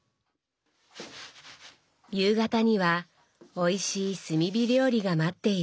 夕方にはおいしい炭火料理が待っている。